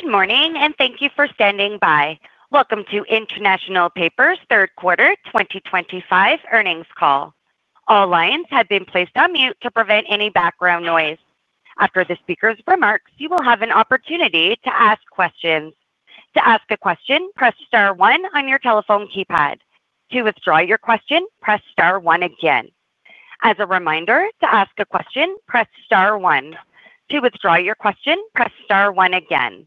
Good morning and thank you for standing by. Welcome to International Paper's third quarter 2025 earnings call. All lines have been placed on mute to prevent any background noise. After the speaker's remarks, you will have an opportunity to ask questions. To ask a question, press star one on your telephone keypad. To withdraw your question, press star one again. As a reminder to ask a question, press star one. To withdraw your question, press star one again.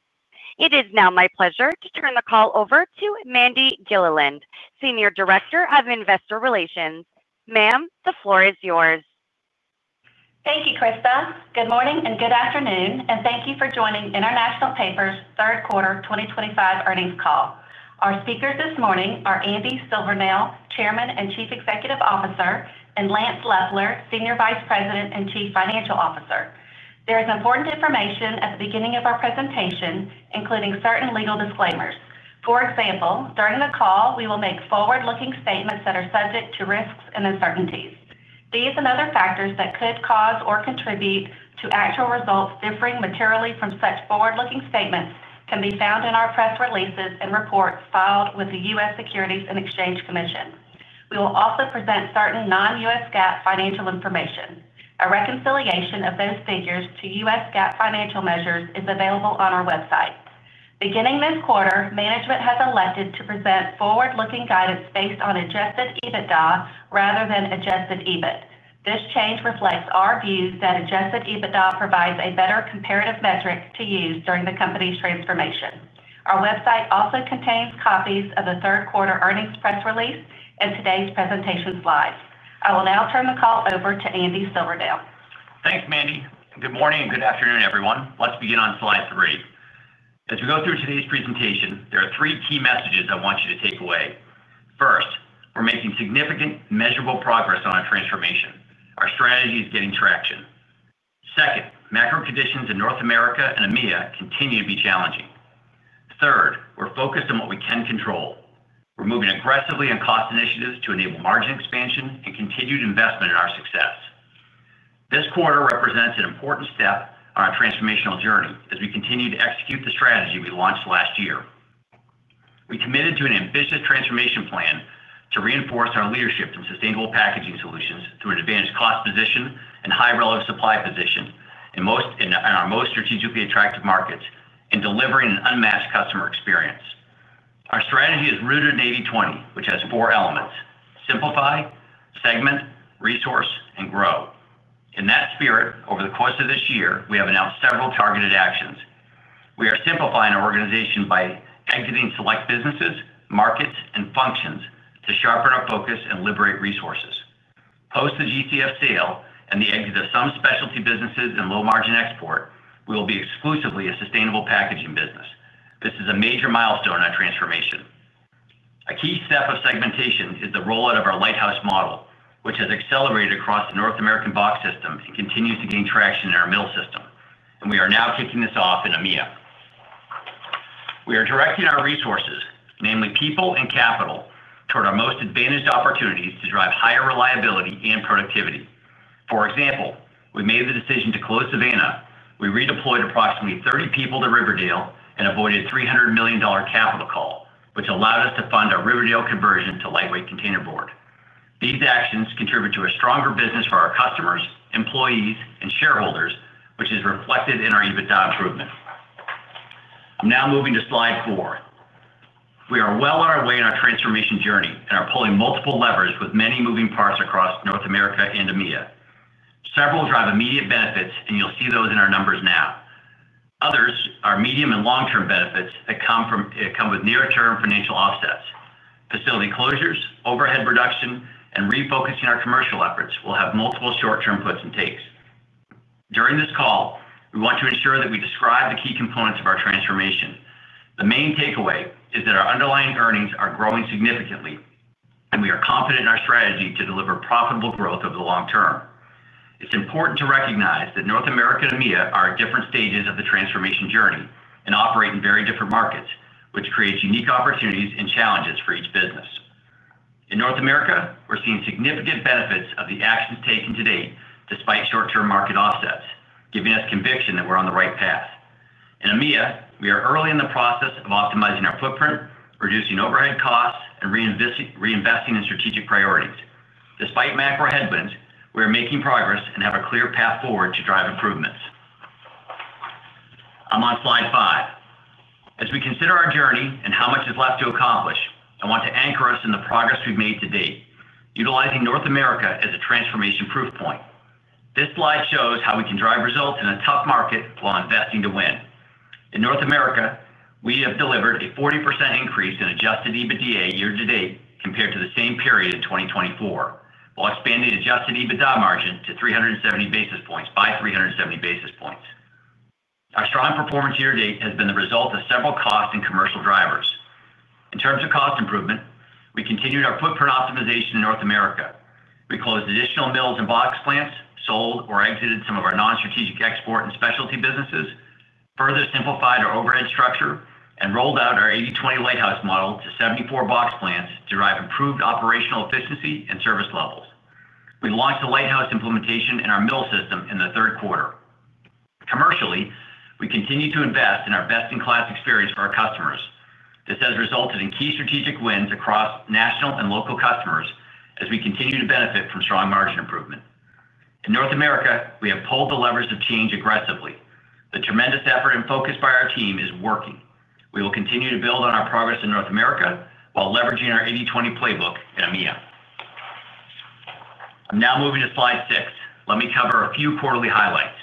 It is now my pleasure to turn the call over to Mandi Gilliland, Senior Director of Investor Relations. Ma'am, the floor is yours. Thank you, Krista. Good morning and good afternoon and thank you for joining International Paper's third quarter 2025 earnings call. Our speakers this morning are Andy Silvernail, Chairman and Chief Executive Officer, and Lance Loeffler, Senior Vice President and Chief Financial Officer. There is important information at the beginning of our presentation, including certain legal disclaimers. For example, during the call we will make forward-looking statements that are subject to risks and uncertainties. These and other factors that could cause or contribute to actual results differing materially from such forward-looking statements can be found in our press releases and reports filed with the U.S. Securities and Exchange Commission. We will also present certain non-U.S. GAAP financial information. A reconciliation of those figures to U.S. GAAP financial measures is available on our website. Beginning this quarter, management has elected to present forward-looking guidance based on adjusted EBITDA rather than adjusted EBIT. This change reflects our views that adjusted EBITDA provides a better comparative metric to use during the company's transformation. Our website also contains copies of the third quarter earnings press release and today's presentation slides. I will now turn the call over to Andy Silvernail. Thanks Mandi. Good morning and good afternoon everyone. Let's begin on slide three. As we go through today's presentation, there are three key messages I want you to take away. First, we're making significant, measurable progress on our transformation. Our strategy is getting traction. Second, macro conditions in North America and EMEA continue to be challenging. Third, we're focused on what we can control. We're moving aggressively on cost initiatives to enable margin expansion and continued investment in our success. This quarter represents an important step on our transformational journey as we continue to execute the strategy we launched last year. We committed to an ambitious transformation plan to reinforce our leadership in sustainable packaging solutions through an advanced cost position and high relative supply position in our most strategically attractive markets and delivering an unmatched customer experience. Our strategy is rooted in 80/20 which has four elements: Simplify, Segment, Resource, and Grow. In that spirit, over the course of this year we have announced several targeted actions. We are simplifying our organization by exiting select businesses, markets, and functions to sharpen our focus and liberate resources. Post the GCF sale and the exit of some specialty businesses and low margin export, we will be exclusively a sustainable packaging business. This is a major milestone on transformation. A key step of segmentation is the rollout of our Lighthouse model which has accelerated across the North American box system and continues to gain traction in our mill system and we are now kicking this off in EMEA. We are directing our resources, namely people and capital, toward our most advantaged opportunities to drive higher reliability and productivity. For example, we made the decision to close Savannah. We redeployed approximately 30 people to Riverdale and avoided a $300 million capital call which allowed us to fund our Riverdale conversion to lightweight containerboard. These actions contribute to a stronger business for our customers, employees, and shareholders which is reflected in our EBITDA improvement. Now moving to slide four. We are well on our way in our transformation journey and are pulling multiple levers with many moving parts across North America and EMEA. Several drive immediate benefits and you'll see those in our numbers now. Others are medium and long term benefits that come with near term financial offsets, facility closures, overhead reduction, and refocusing. Our commercial efforts will have multiple short term puts and takes. During this call, we want to ensure that we describe the key components of our transformation. The main takeaway is that our underlying earnings are growing significantly, and we are confident in our strategy to deliver profitable growth over the long term. It's important to recognize that North America and EMEA are at different stages of the transformation journey and operate in very different markets, which creates unique opportunities and challenges for each business. In North America, we're seeing significant benefits of the actions taken to date, and despite short term market offsets, giving us conviction that we're on the right path. In EMEA, we are early in the process of optimizing our footprint, reducing overhead costs, and reinvesting in strategic priorities. Despite macro headwinds, we are making progress and have a clear path forward to drive improvements. I'm on slide five as we consider our journey and how much is left to accomplish. I want to anchor us in the progress we've made today, utilizing North America as a transformation proof point. This slide shows how we can drive results in a tough market while investing to win. In North America, we have delivered a 40% increase in adjusted EBITDA year to date compared to the same period in 2024, while expanding adjusted EBITDA margin by 370 basis points. Our strong performance year to date has been the result of several cost and commercial drivers. In terms of cost improvement, we continued our footprint optimization in North America. We closed additional mills and box plants, sold or exited some of our non-strategic export and specialty businesses, further simplified our overhead structure, and rolled out our 80/20 Lighthouse model to 74 box plants to drive improved operational efficiency and service levels. We launched the Lighthouse implementation in our mill system in the third quarter. Commercially, we continue to invest in our best-in-class experience for our customers. This has resulted in key strategic wins across national and local customers. As we continue to benefit from strong margin improvement in North America, we have pulled the levers of change aggressively. The tremendous effort and focus by our team is working. We will continue to build on our progress in North America while leveraging our 80/20 playbook in EMEA. Now moving to slide six, let me cover a few quarterly highlights.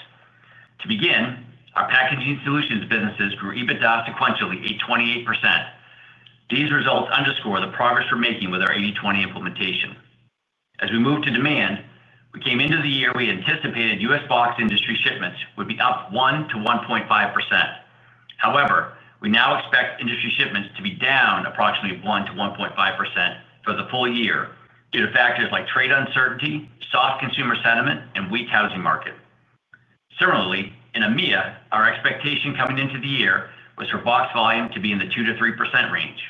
To begin with, our packaging solutions businesses grew EBITDA sequentially at 28%. These results underscore the progress we're making with our 80/20 implementation as we move to demand. We came into the year, we anticipated U.S. box industry shipments would be up 1%-1.5%. However, we now expect industry shipments to be down approximately 1%-1.5% for the full year due to factors like trade uncertainty, soft consumer sentiment, and weak housing market. Similarly, in EMEA, our expectation coming into the year was for box volume to be in the 2%-3% range.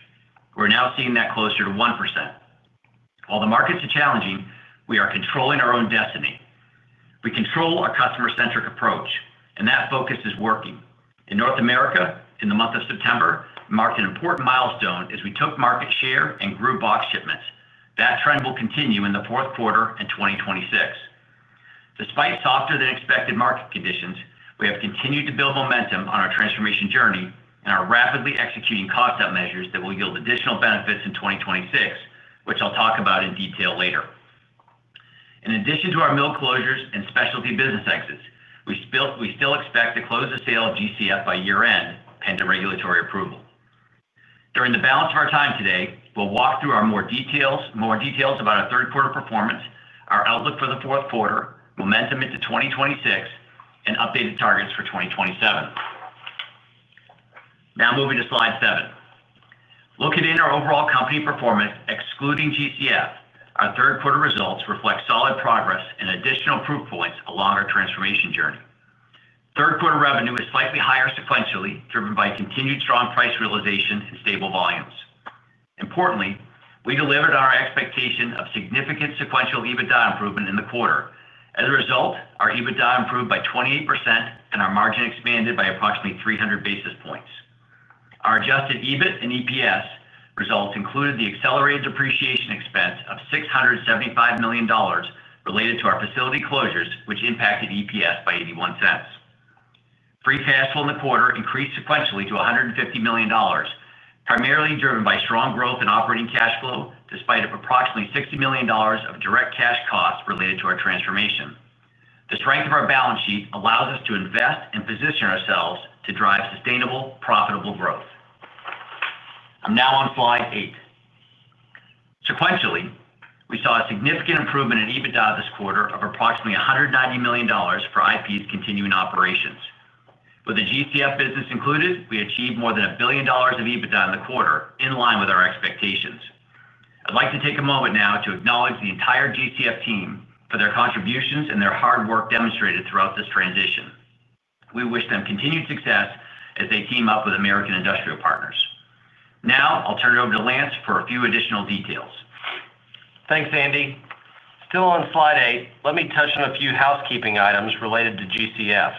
We're now seeing that closer to 1%. While the markets are challenging, we are controlling our own destiny. We control our customer-centric approach, and that focus is working in North America. In the month of September, marked an important milestone as we took market share and grew box shipments. That trend will continue in the fourth quarter and 2026 despite softer than expected market conditions. We have continued to build momentum on our transformation journey and are rapidly executing cost-up measures that will yield additional benefits in 2026, which I'll talk about in detail later. In addition to our mill closures and specialty business exits, we still expect to close the sale of GCF by year end pending regulatory approval. During the balance of our time today, we'll walk through more details about our third quarter performance, our outlook for the fourth quarter, momentum into 2026, and updated targets for 2027. Now moving to slide seven, looking at our overall company performance excluding GCF. Our third quarter results reflect solid progress and additional proof points along our transformation journey. Third quarter revenue is slightly higher sequentially, driven by continued strong price realization and stable volumes. Importantly, we delivered our expectation of significant sequential EBITDA improvement in the quarter. As a result, our EBITDA improved by 28% and our margin expanded by approximately 300 basis points. Our adjusted EBIT and EPS results included the accelerated depreciation expense of $675 million related to our facility closures, which impacted EPS by $0.81. Free cash flow in the quarter increased sequentially to $150 million, primarily driven by strong growth in operating cash flow. Despite approximately $60 million of direct cash costs related to our transformation, the strength of our balance sheet allows us to invest and position ourselves to drive sustainable, profitable growth. I'm now on slide eight. Sequentially, we saw a significant improvement in EBITDA this quarter of approximately $190 million for IPC's continuing operations with the GCF business included. We achieved more than $1 billion of EBITDA in the quarter, in line with our expectations. I'd like to take a moment now to acknowledge the entire GCF team for their contributions and their hard work demonstrated throughout this transition. We wish them continued success as they team up with American Industrial Partners. Now I'll turn it over to Lance for a few additional details. Thanks, Andy. Still on slide eight, let me touch on a few housekeeping items related to GCF.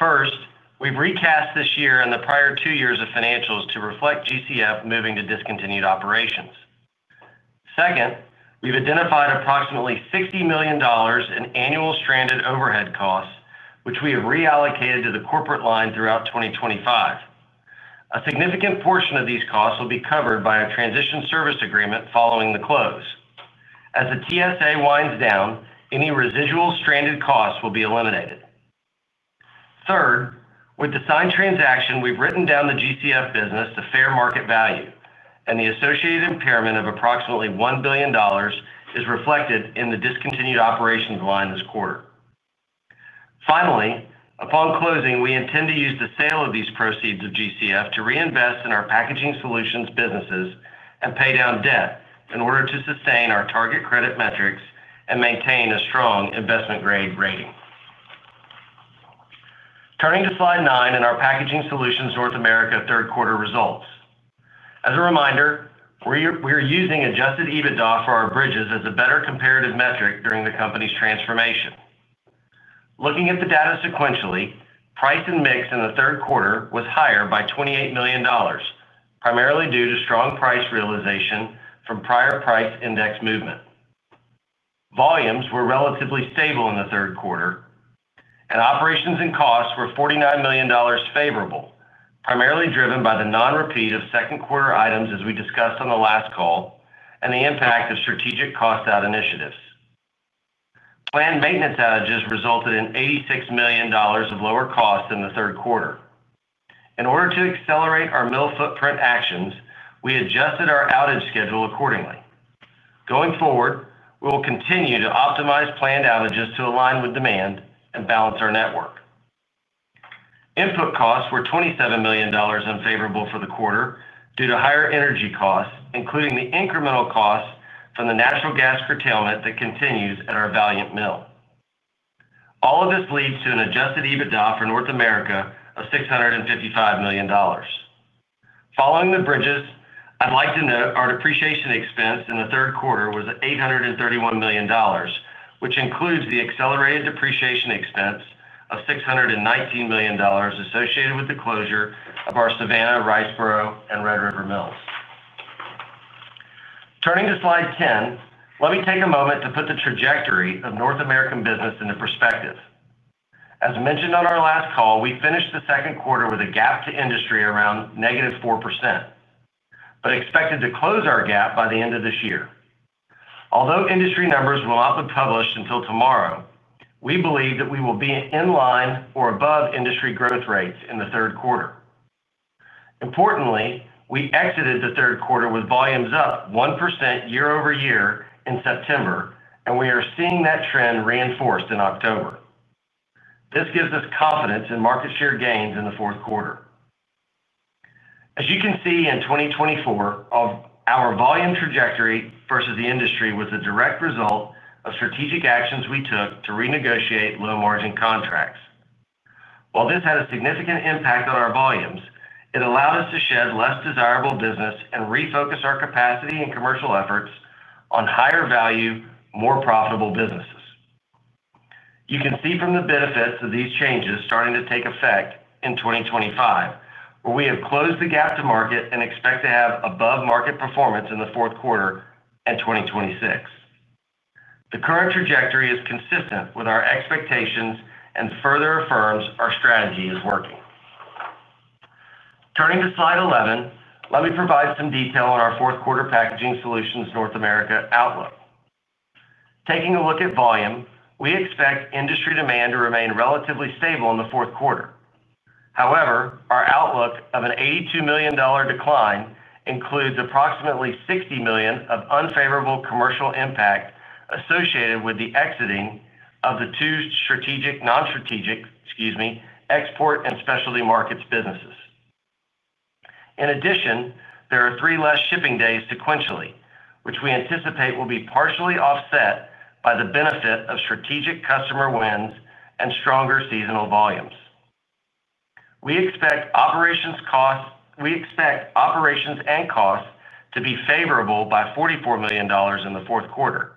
First, we've recast this year and the prior two years of financials to reflect GCF moving to discontinued operations. Second, we've identified approximately $60 million in annual stranded overhead costs, which we have reallocated to the corporate line throughout 2025. A significant portion of these costs will be covered by a transition service agreement following the close. As the TSA winds down, any residual stranded costs will be eliminated. Third, with the signed transaction, we've written down the GCF business to fair market value, and the associated impairment of approximately $1 billion is reflected in the discontinued operations line this quarter. Finally, upon closing, we intend to use the sale of these proceeds of GCF to reinvest in our Packaging Solutions businesses and pay down debt in order to sustain our target credit metrics and maintain a strong investment-grade rating. Turning to slide nine in our Packaging Solutions North America third quarter results, as a reminder, we are using adjusted EBITDA for our bridges as a better comparative metric during the company's transformation. Looking at the data sequentially, price and mix in the third quarter was higher by $28 million, primarily due to strong price realization from prior price index movement. Volumes were relatively stable in the third quarter, and operations and costs were $49 million favorable, primarily driven by the non-repeat of second quarter items, as we discussed on the last call, and the impact of strategic cost out initiatives. Planned maintenance outages resulted in $86 million of lower costs in the third quarter. In order to accelerate our mill footprint actions, we adjusted our outage schedule accordingly. Going forward, we will continue to optimize planned outages to align with demand and balance our network. Input costs were $27 million unfavorable for the quarter due to higher energy costs, including the incremental costs from the natural gas curtailment that continues at our Valliant Mill. All of this leads to an adjusted EBITDA for North America of $655 million following the bridges. I'd like to note our depreciation expense in the third quarter was $831 million, which includes the accelerated depreciation expense of $619 million associated with the closure of our Savannah, Riceboro, and Red River Mills. Turning to slide 10, let me take a moment to put the trajectory of North America business into perspective. As mentioned on our last call, we finished the second quarter with a gap to industry around -4% but expected to close our gap by the end of this year. Although industry numbers will not be published until tomorrow, we believe that we will be in line or above industry growth rates in the third quarter. Importantly, we exited the third quarter with volumes up 1% year-over-year in September, and we are seeing that trend reinforced in October. This gives us confidence in market share gains in the fourth quarter. As you can see in 2024, our volume trajectory versus the industry was a direct result of strategic actions we took to renegotiate low margin contracts. While this had a significant impact on our volumes, it allowed us to shed less desirable business and refocus our capacity and commercial efforts on higher value, more profitable businesses. You can see the benefits of these changes starting to take effect in 2025, where we have closed the gap to market and expect to have above market performance in the fourth quarter and 2026. The current trajectory is consistent with our expectations and further affirms our strategy is working. Turning to slide 11, let me provide some detail on our fourth quarter packaging solutions North America outlook. Taking a look at volume, we expect industry demand to remain relatively stable in the fourth quarter. However, our outlook of an $82 million decline includes approximately $60 million of unfavorable commercial impact associated with the exiting of the two strategic, non-strategic, excuse me, export and specialty markets businesses. In addition, there are three less shipping days sequentially, which we anticipate will be partially offset by the benefit of strategic customer wins and stronger seasonal volumes. We expect operations and costs to be favorable by $44 million in the fourth quarter,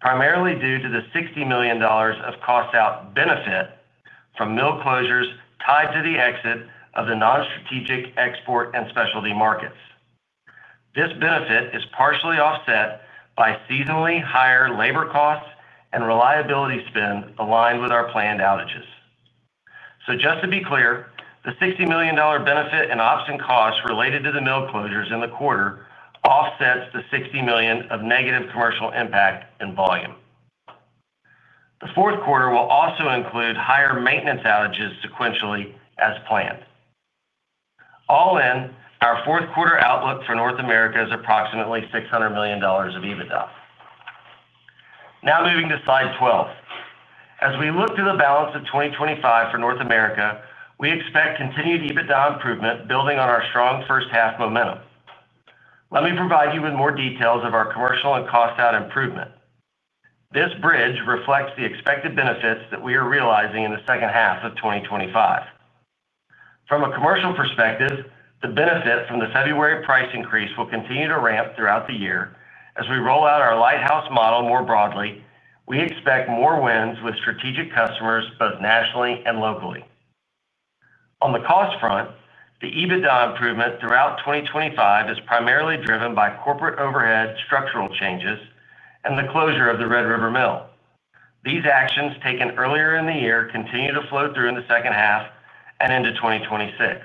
primarily due to the $60 million of cost out benefit from mill closures tied to the exit of the non-strategic export and specialty markets. This benefit is partially offset by seasonally higher labor costs and reliability spend aligned with our planned outages. Just to be clear, the $60 million benefit in option costs related to the mill closures in the quarter offsets the $60 million of negative commercial impact in volume. The fourth quarter will also include higher maintenance outages sequentially as planned. All in, our fourth quarter outlook for North America is approximately $600 million of EBITDA. Now moving to slide 12, as we look to the balance of 2025 for North America, we expect continued EBITDA improvement, building on our strong first half momentum. Let me provide you with more details of our commercial and cost out improvement. This bridge reflects the expected benefits that we are realizing in the second half of 2025. From a commercial perspective, the benefit from the February price increase will continue to ramp throughout the year as we roll out our Lighthouse model. More broadly, we expect more wins with strategic customers both nationally and locally. On the cost front, the EBITDA improvement throughout 2025 is primarily driven by corporate overhead, structural changes, and the closure of the Red River Mill. These actions taken earlier in the year continue to flow through in the second half and into 2026.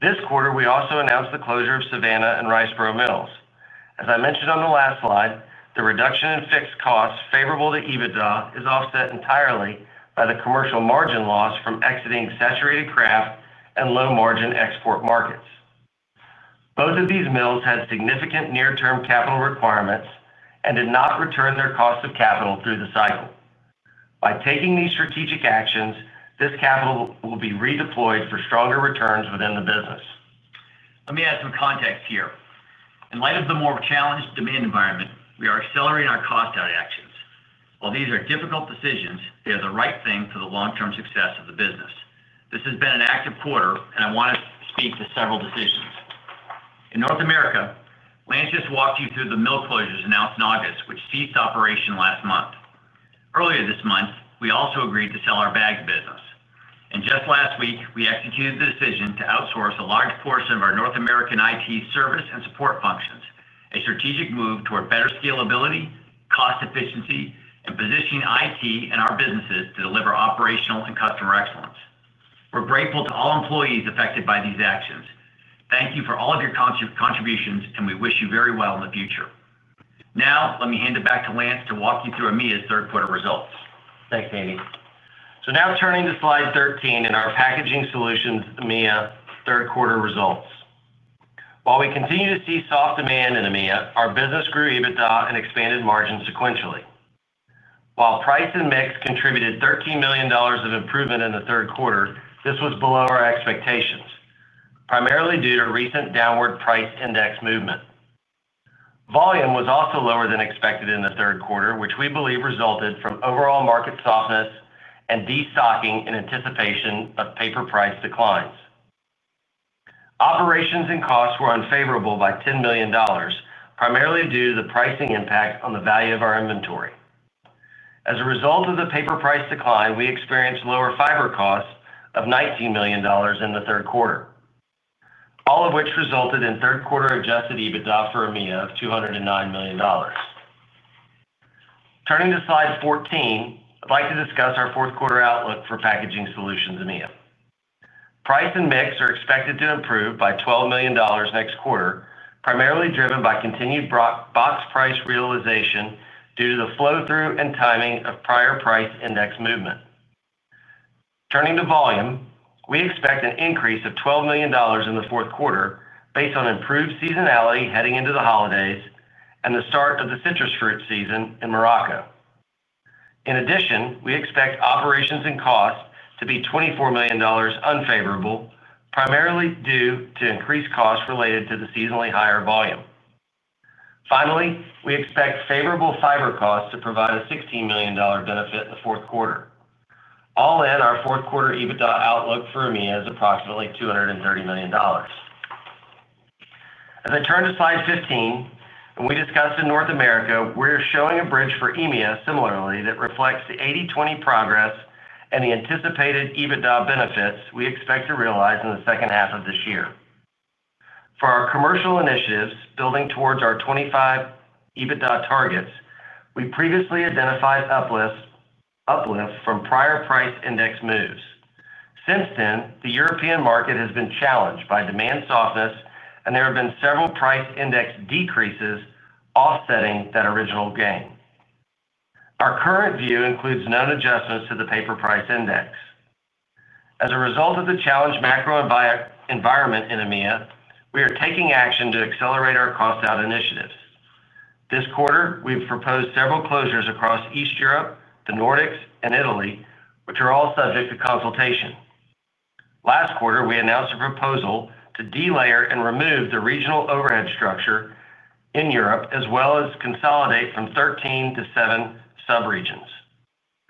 This quarter, we also announced the closure of Savannah and Riceboro Mills. As I mentioned on the last slide, the reduction in fixed costs favorable to EBITDA is offset entirely by the commercial margin loss from exiting saturated kraft and low margin export markets. Both of these mills had significant near term capital requirements and did not return their cost of capital through the cycle. By taking these strategic actions, this capital will be redeployed for stronger returns within the business. Let me add some context here. In light of the more challenged demand environment, we are accelerating our cost out actions. While these are difficult decisions, they are the right thing for the long term success of the business. This has been an active quarter and I want to speak to several decisions in North America. Lance just walked you through the mill closures announced in August, which ceased operation last month. Earlier this month, we also agreed to sell our bags business, and just last week we executed the decision to outsource a large portion of our North American IT service and support functions. A strategic move toward better scalability, cost efficiency, and positioning IT and our businesses to deliver operational and customer excellence. We're grateful to all employees affected by these actions. Thank you for all of your contributions and we wish you very well in the future. Now let me hand it back to Lance to walk you through EMEA's third quarter results. Thanks, Andy. Now turning to slide 13 in our packaging solutions EMEA third quarter results, while we continue to see soft demand in EMEA, our business grew EBITDA and expanded margin sequentially. While price and mix contributed $13 million of improvement in the third quarter, this was below our expectations primarily due to recent downward price index movement. Volume was also lower than expected in the third quarter, which we believe resulted from overall market softness and destocking in anticipation of paper price declines. Operations and costs were unfavorable by $10 million, primarily due to the pricing impact on the value of our inventory. As a result of the paper price decline, we experienced lower fiber costs of $19 million in the third quarter, all of which resulted in third quarter adjusted EBITDA for EMEA of $209 million. Turning to slide 14, I'd like to discuss our fourth quarter outlook for packaging solutions. EMEA price and mix are expected to improve by $12 million next quarter, primarily driven by continued box price realization due to the flow through and timing of prior price index movement. Turning to volume, we expect an increase of $12 million in the fourth quarter based on improved seasonality heading into the holidays and the start of the citrus fruit season in Morocco. In addition, we expect operations and costs to be $24 million unfavorable, primarily due to increased costs related to the seasonally higher volume. Finally, we expect favorable fiber costs to provide a $16 million benefit in the fourth quarter. All in, our fourth quarter EBITDA outlook for EMEA is approximately $230 million. As I turn to slide 15 and as we discussed in North America, we are showing a bridge for EMEA. Similarly, that reflects the 80/20 progress and the anticipated EBITDA benefits we expect to realize in the second half of this year for our commercial initiatives. Building towards our 2025 EBITDA targets, we previously identified uplift from prior price index moves. Since then, the European market has been challenged by demand softness and there have been several price index decreases offsetting that original gain. Our current view includes known adjustments to the paper price index. As a result of the challenged macro environment in EMEA, we are taking action to accelerate our cost out initiatives. This quarter, we've proposed several closures across East Europe, the Nordics, and Italy, which are all subject to consultation. Last quarter we announced a proposal to delayer and remove the regional overhead structure in Europe as well as consolidate from 13 to 7 sub regions.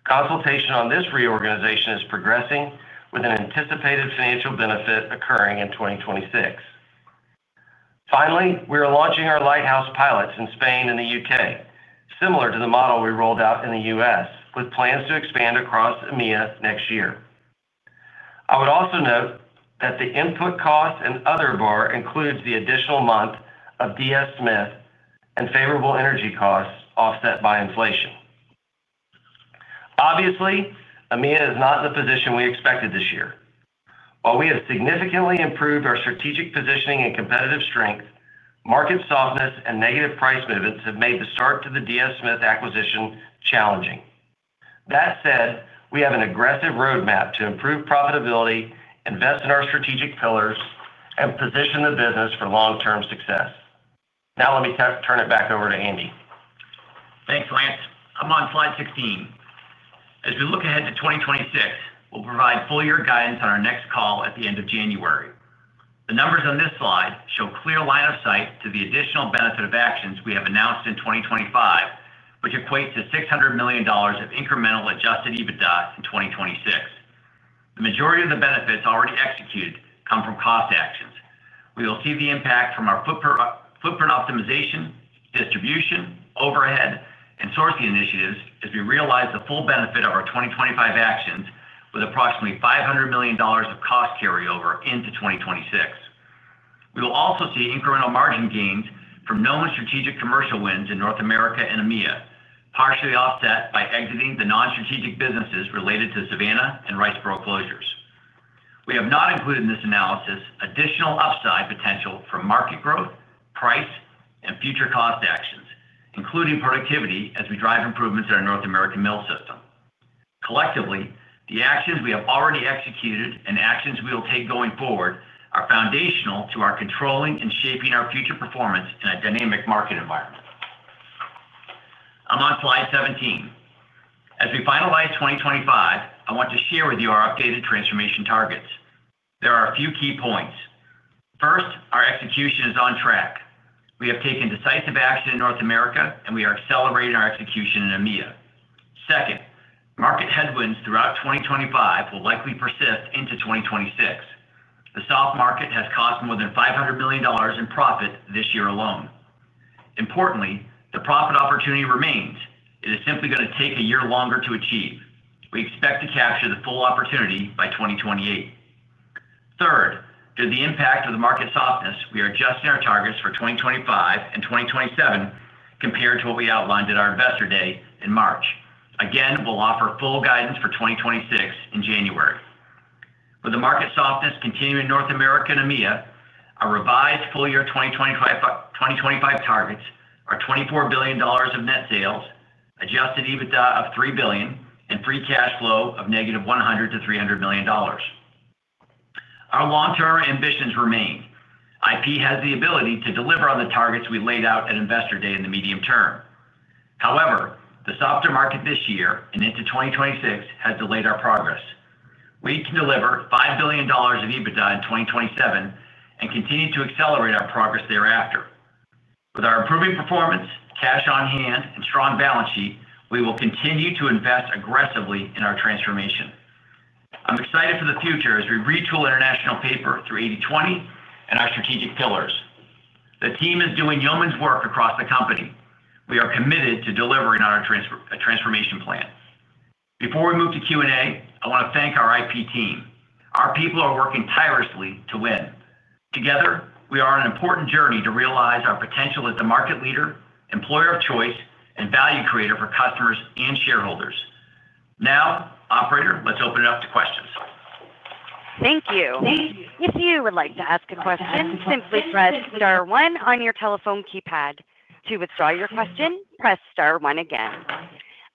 Consultation on this reorganization is progressing with an anticipated financial benefit occurring in 2026. Finally, we are launching our Lighthouse pilots in Spain and the U.K., similar to the model we rolled out in the U.S., with plans to expand across EMEA next year. I would also note that the input cost and other bar includes the additional month of DS Smith and favorable energy costs offset by inflation. Obviously, EMEA is not in the position we expected this year. While we have significantly improved our strategic positioning and competitive strength, market softness and negative price movements have made the start to the DS Smith acquisition challenging. That said, we have an aggressive roadmap to improve profitability, invest in our strategic pillars, and position the business for long term success. Now let me turn it back over to Andy. Thanks, Lance. I'm on slide 16 as we look ahead to 2026. We'll provide full year guidance on our next call at the end of January. The numbers on this slide show clear line of sight to the additional benefit of actions we have announced in 2025, which equate to $600 million of incremental adjusted EBITDA in 2026. The majority of the benefits already executed come from cost actions. We will see the impact from our footprint optimization, distribution, overhead, and sourcing initiatives as we realize the full benefit of our 2025 actions with approximately $500 million of cost carryover into 2026. We will also see incremental margin gains from known strategic commercial wins in North America and EMEA, partially offset by exiting the non-strategic businesses related to Savannah and Riceboro closures. We have not included in this analysis additional upside potential for market growth, price, and future cost actions including productivity as we drive improvements in our North American mill system. Collectively, the actions we have already executed and actions we will take going forward are foundational to our controlling and shaping our future performance in a dynamic market environment. I'm on slide 17 as we finalize 2025. I want to share with you our updated transformation targets. There are a few key points. First, our execution is on track. We have taken decisive action in North America, and we are accelerating our execution in EMEA. Second, market headwinds throughout 2025 will likely persist into 2026. The soft market has cost more than $500 million in profit this year alone. Importantly, the profit opportunity remains. It is simply going to take a year longer to achieve. We expect to capture the full opportunity by 2028. Third, due to the impact of the market softness, we are adjusting our targets for 2025 and 2027 compared to what we outlined at our Investor Day in March. Again, we'll offer full guidance for 2026 in January. With the market softness continuing in North America and EMEA, our revised full year 2025 targets are $24 billion of net sales, adjusted EBITDA of $3 billion, and free cash flow of -$100 million to $300 million. Our long term ambitions remain. IP has the ability to deliver on the targets we laid out at Investor Day. In the medium term, however, the softer market this year and into 2026 has delayed our progress. We can deliver $5 billion of EBITDA in 2027 and continue to accelerate our progress thereafter. With our improving performance, cash on hand, and strong balance sheet, we will continue to invest aggressively in our transformation. I'm excited for the future as we retool International Paper through 80/20 and our strategic pillars. The team is doing yeoman's work across the company. We are committed to delivering on our transformation plan. Before we move to Q&A, I want to thank our IP team. Our people are working tirelessly to win together. We are on an important journey to realize our potential as the market leader, employer of choice, and value creator for customers and shareholders. Now, operator, let's open it up to questions. Thank you. If you would like to ask a question, simply press star 1 on your telephone keypad. To withdraw your question, press star one again.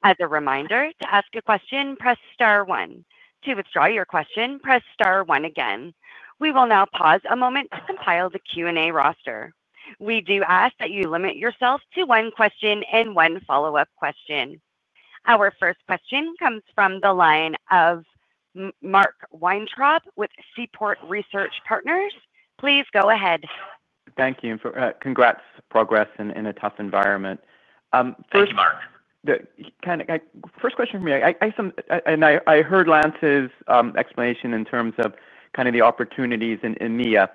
As a reminder to ask a question, press star one. To withdraw your question, press star one again. We will now pause a moment to compile the Q&A roster. We do ask that you limit yourself to one question and one follow-up question. Our first question comes from the line of Mark Weintraub with Seaport Research Partners. Please go ahead. Thank you. Congrats. Progress in a tough environment. Thank you, Mark. First question for me. I heard Lance's explanation in terms of kind of the opportunities in EMEA,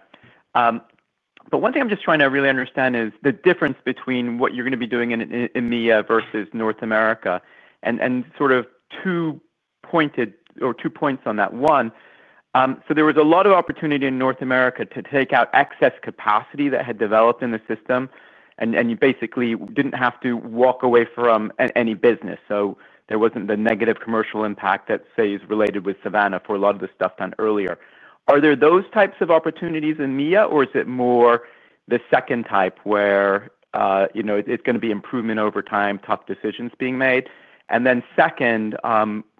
but one thing I'm just trying to really understand is the difference between what you're going to be doing in EMEA versus North America and sort of two pointed or two points on that one. There was a lot of opportunity in North America to take out excess capacity that had developed in the system and you basically didn't have to walk away from any business. There wasn't the negative commercial impact that is related with Savannah. For a lot of the stuff done earlier, are there those types of opportunities in EMEA or is it more the second type where you know it's going to be improvement over time, tough decisions being made. Second,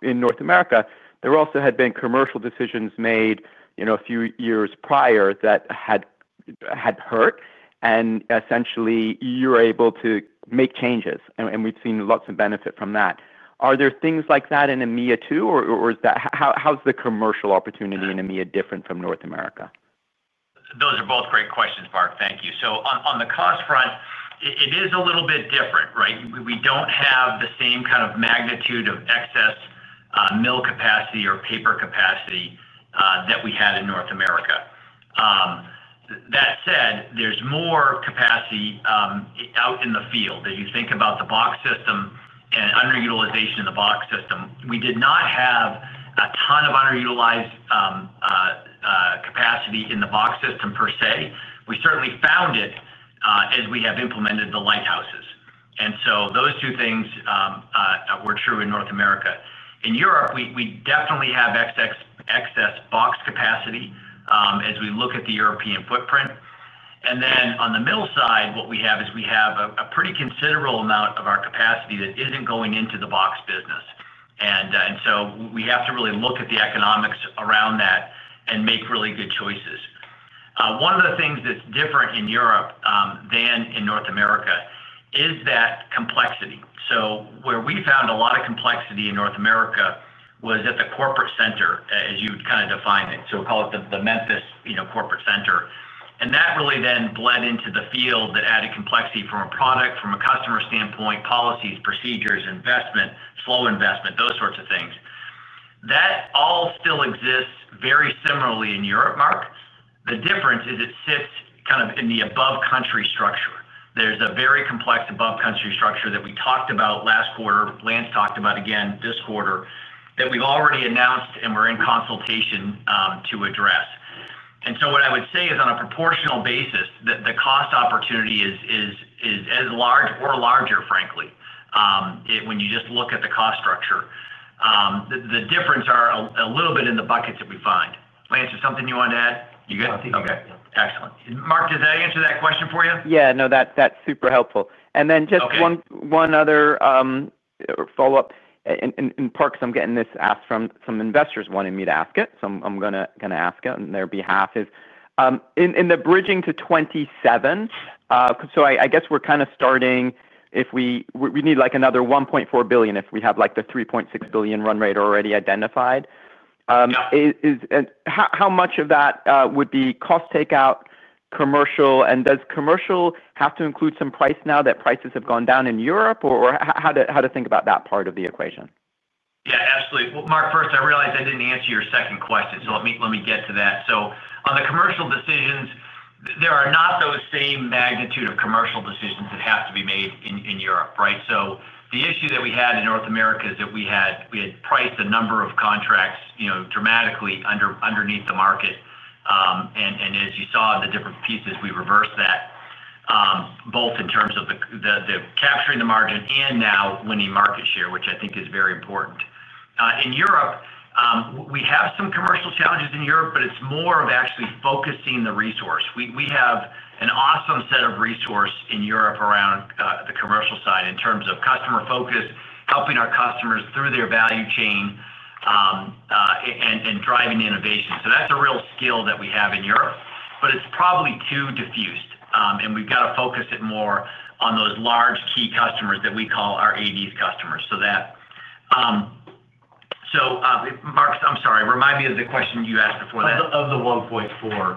in North America there also had been commercial decisions made a few years prior that had hurt. Essentially you're able to make changes. We've seen lots of benefit from that. Are there things like that in EMEA too or is that how's the commercial opportunity in EMEA different from North America? Those are both great questions, Mark, thank you. On the cost front, it is a little bit different, right? We don't have the same kind of magnitude of excess mill capacity or paper capacity that we had in North America. That said, there's more capacity out in the field. If you think about the box system and underutilization in the box system, we did not have a ton of underutilized capacity in the box system per se. We certainly found it as we have implemented the Lighthouse model. Those two things were true in North America. In Europe, we definitely have excess box capacity as we look at the European footprint. On the mill side, what we have is a pretty considerable amount of our capacity that isn't going into the box business. We have to really look at the economics around that and make really good choices. One of the things that's different in Europe than in North America is that complexity. Where we found a lot of complexity in North America was at the corporate center, as you kind of defined it, so call it the Memphis Corporate Center. That really then bled into the field, that added complexity from a product, from a customer standpoint, policies, procedures, investment flow, investment, those sorts of things that all still exist very similarly in Europe. Mark, the difference is it sits kind of in the above country structure. There's a very complex above country structure that we talked about last quarter, Lance talked about again this quarter that we've already announced and we're in consultation to address. What I would say is on a proportional basis that the cost opportunity is as large or larger. Frankly, when you just look at the cost structure, the differences are a little bit in the buckets that we find. Lance, is there something you want to add? You good? Okay, excellent. Mark, does that answer that question for you? Yeah, no, that's super helpful. Just one other follow-up in parks. I'm getting this asked from some investors wanting me to ask it. I'm going to ask it on their behalf. Is in the bridging to 2027, I guess we're kind of starting if we need like another $1.4 billion, if we have like the $3.6 billion run rate already identified. How much of that would be cost? Takeout, commercial, and does commercial have to include some price now that prices have gone down in Europe, or how to think about that part of the equation? Yeah, absolutely, Mark. First, I realized I didn't answer your second question, so let me get to that. On the commercial decisions, there are not those same magnitude of commercial decisions that have to be made in Europe. Right. The issue that we had in North America is that we had priced a number of contracts dramatically underneath the market. As you saw the different pieces, we reversed that both in terms of capturing the margin and now winning market share, which I think is very important. In Europe, we have some commercial challenges, but it's more of actually focusing the resource. We have an awesome set of resource in Europe around the commercial side in terms of customer focus, helping our customers through their value chain, and driving innovation. That's a real skill that we have in Europe. It's probably too diffused, and we've got to focus it more on those large key customers that we call our ads customers. So that Mark, I'm sorry, remind me of the question you asked before that. Of the $1.4 billion.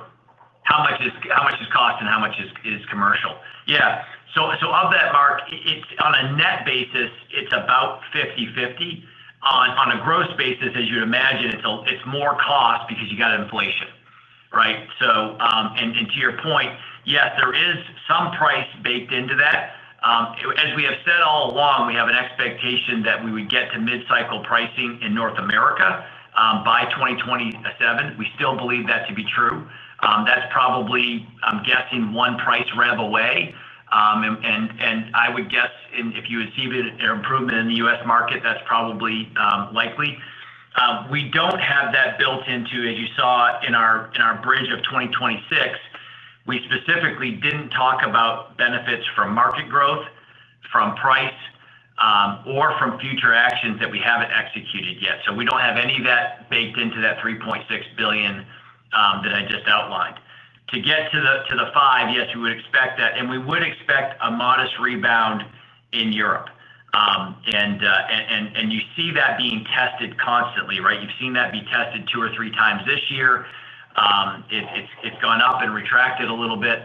How much is cost and how much is commercial? Yeah. On a net basis, it's about 50/50. On a gross basis, as you imagine, it's more cost because you got inflation. Right. To your point, yes, there is some price baked into that. As we have said all along, we have an expectation that we would get to mid-cycle pricing in North America by 2027. We still believe that to be true. That's probably, I'm guessing, one price rev away and I would guess if you receive an improvement in the U.S. market, that's probably likely. We don't have that built into, as you saw in our bridge of 2026, we specifically didn't talk about benefits from market growth, from price, or from future actions that we haven't executed yet. We don't have any of that baked into that $3.6 billion that I just outlined to get to the $5 billion. Yes, we would expect that and we would expect a modest rebound in Europe. You see that being tested constantly. You've seen that be tested two or three times this year. It's gone up and retracted a little bit.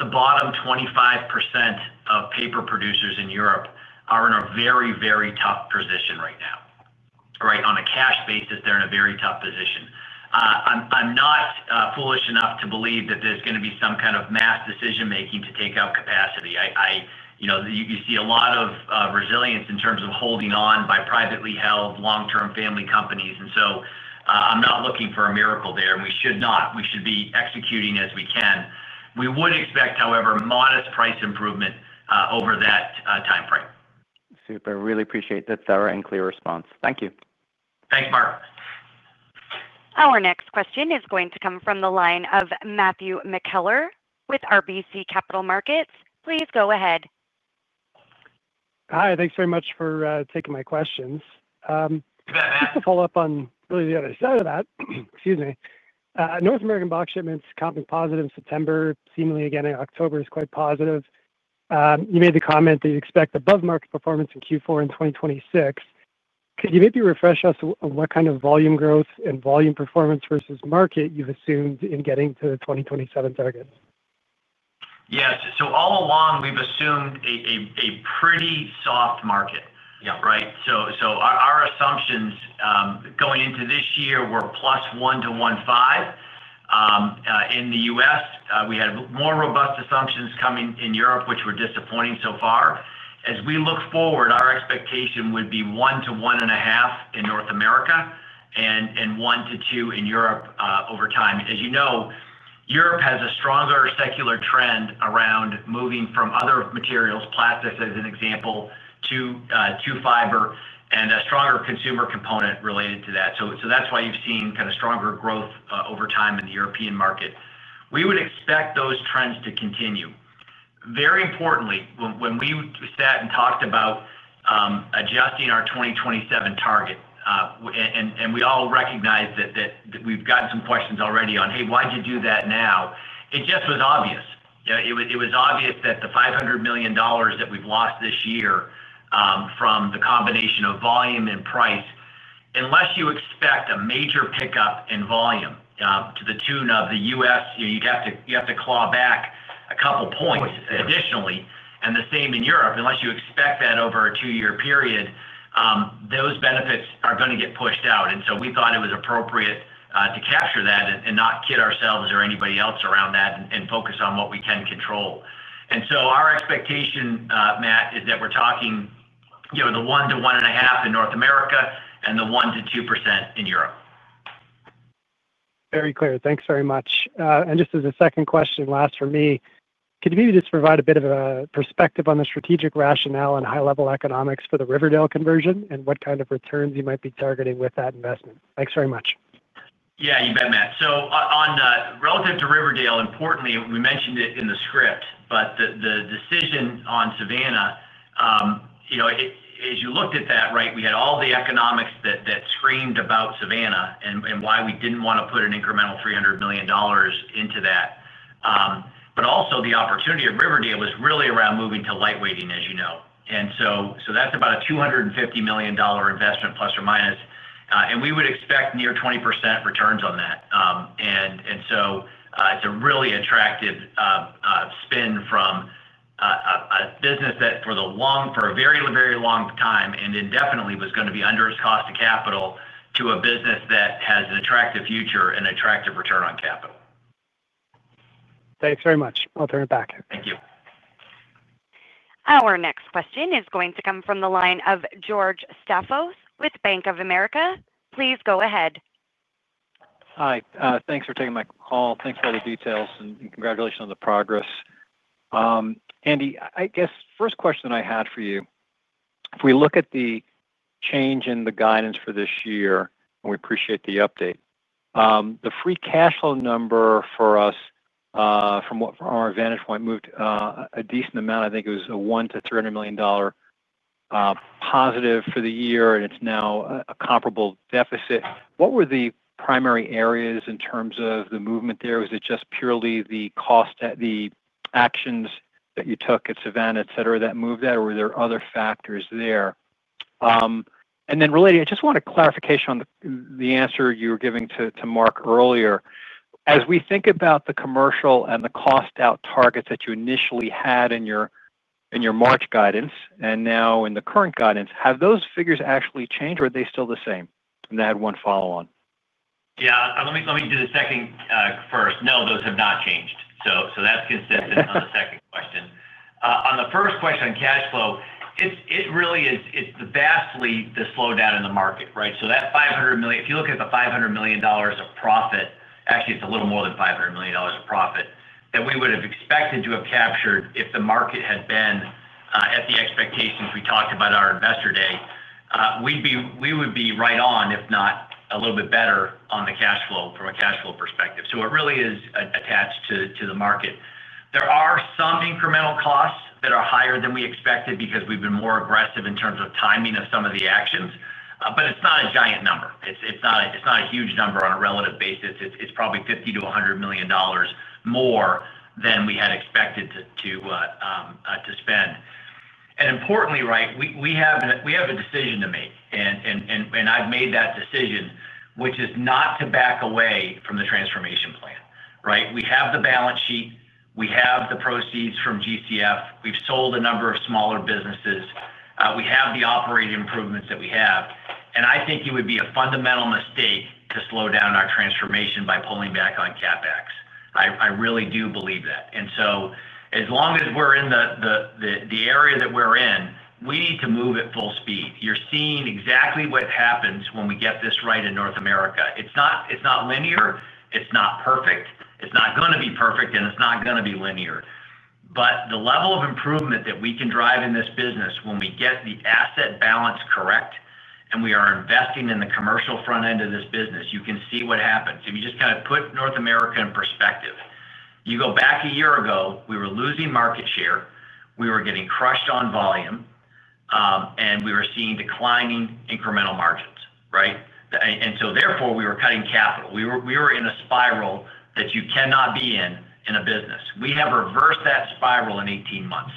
The bottom 25% of paper producers in Europe are in a very, very tough position right now. Right. On a cash basis, they're in a very tough position. I'm not foolish enough to believe that there's going to be some kind of mass decision making to take out capacity. You see a lot of resilience in terms of holding on by privately held long-term family companies. I'm not looking for a miracle there. We should be executing as we can. We would expect, however, modest price improvement over that timeframe. Super. Really appreciate the thorough and clear response. Thank you. Thanks, Mark. Our next question is going to come from the line of Matthew McKellar with RBC Capital Markets. Please go ahead. Hi, thanks very much for taking my questions. Follow up on really the other side of that. North American box shipments comp positive in September, seemingly again in October is quite positive. You made the comment that you expect above market performance in Q4 and 2026. Could you maybe refresh us what kind of volume growth and volume performance versus market you've assumed in getting to the 2027 target? Yes. All along we've assumed a pretty soft market. Right. Our assumptions going into this year were plus 1 to 1.5% in the U.S. We had more robust assumptions coming in Europe, which were disappointing so far. As we look forward, our expectation would be 1%-1.5% in North America and 1%-2% in Europe over time. As you know, Europe has a stronger secular trend around moving from other materials, plastics as an example, to fiber, and a stronger consumer component related to that. That's why you've seen kind of stronger growth over time in the European market. We would expect those trends to continue. Very importantly, when we sat and talked about adjusting our 2027 target, we all recognize that we've gotten some questions already on, hey, why did you do that? It just was obvious. It was obvious that the $500 million that we've lost this year from the combination of volume and price, unless you expect a major pickup in volume to the tune of the U.S., you have to claw back a couple points additionally, and the same in Europe. Unless you expect that over a two-year period, those benefits are going to get pushed out. We thought it was appropriate to capture that and not kid ourselves or anybody else around that and focus on what we can control. Our expectation, Matt, is that we're talking the 1%-1.5% in North America and the 1%-2% in Europe. Very clear. Thanks very much. Just as a second question, last for me, could you maybe just provide a bit of a perspective on the strategic rationale and high-level economics for the Red River conversion and what kind of returns you might be targeting with that investment? Thanks very much. Yeah, you bet, Matt. On relative to Riverdale, importantly, we mentioned it in the script, but the decision on Savannah, as you looked at that, right, we had all the economics that screamed about Savannah and why we didn't want to put an incremental $300 million into that. The opportunity at Riverdale was really around moving to lightweighting, as you know. That's about a $250 million investment, plus or minus, and we would expect near 20% returns on that. It's a really attractive spin from a business that for the long, for a very, very long time and indefinitely was going to be under its cost of capital to a business that has an attractive future and attractive return on capital. Thanks very much. I'll turn it back. Thank you. Our next question is going to come from the line of George Staphos with Bank of America. Please go ahead. Hi. Thanks for taking my call. Thanks for all the details and congratulations on the progress. Andy, I guess first question I had for you. If we look at the change in the guidance for this year and we appreciate the update, the free cash flow number for us from our vantage point moved a decent amount. I think it was a $1 million-$300 million positive for the year and it's now a comparable deficit. What were the primary areas in terms of the movement there? Was it just purely the cost actions that you took at Savannah, et cetera, that moved that, or were there other factors there? I just want a clarification on the answer you were giving to Mark earlier. As we think about the commercial and the cost out targets that you initially had in your March guidance and now in the current guidance, have those figures actually changed or are they still the same? I had one follow on. Let me do the second first. No, those have not changed. That's consistent. On the second question, on the first question, cash flow, it really is vastly the slowdown in the market. Right. That $500 million, if you look at the $500 million of profit, actually it's a little more than $500 million of profit that we would have expected to have captured if the market had been at the expectations we talked about at our investor day. We would be right on, if not a little bit better, on the cash flow from a cash flow perspective. It really is attached to the market. There are some incremental costs that are higher than we expected because we've been more aggressive in terms of timing of some of the actions. It's not a giant number, it's not a huge number. On a relative basis, it's probably $50 million--$100 million more than we had expected to spend. Importantly, Right. We have a decision to make and I've made that decision, which is not to back away from the transformation plan. We have the balance sheet, we have the proceeds from GCF, we've sold a number of smaller businesses, we have the operating improvements that we have. I think it would be a fundamental mistake to slow down our transformation by pulling back on CapEx. I really do believe that. As long as we're in the area that we're in, we need to move at full speed. You're seeing exactly what happens when we get this right in North America. It's not linear, it's not perfect. It's not going to be perfect and it's not going to be linear. The level of improvement that we can drive in this business when we get the asset balance correct and we are investing in the commercial front end of this business, you can see what happens if you just kind of put North America in perspective. You go back a year ago. We were losing market share, we were getting crushed on volume and we were seeing declining incremental margins. Right. Therefore, we were cutting capital. We were in a spiral that you cannot be in, in a business. We have reversed that spiral in 18 months.